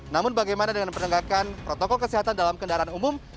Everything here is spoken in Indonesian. namun bagaimana dengan penegakan protokol kesehatan dalam kendaraan umum